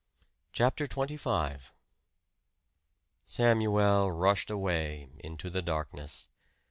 CHAPTER XXV Samuel rushed away into the darkness.